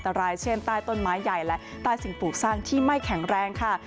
ตรายเช่นใต้ต้นไม้ใหญ่และใต้สิ่งปลูกสร้างที่ไม่แข็งแรงค่ะ